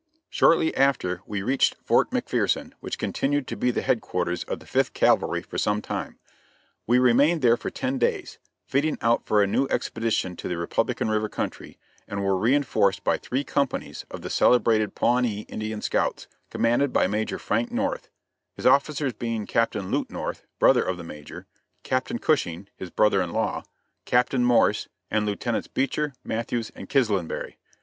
Shortly after we reached Fort McPherson, which continued to be the headquarters of the Fifth Cavalry for some time. We remained there for ten days, fitting out for a new expedition to the Republican river country, and were reinforced by three companies of the celebrated Pawnee Indian scouts, commanded by Major Frank North; his officers being Captain Lute North, brother of the Major, Captain Cushing, his brother in law, Captain Morse, and Lieutenants Beecher, Matthews and Kislandberry.